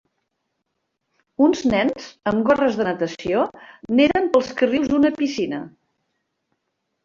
Uns nens amb gorres de natació neden pels carrils d'una piscina.